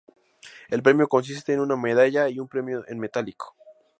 El premio consiste en una medalla y un premio en metálico.